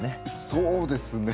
そうですね。